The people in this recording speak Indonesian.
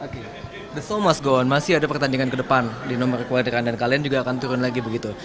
the show must go on masih ada pertandingan ke depan di nomor kewadiran dan kalian juga akan turun lagi begitu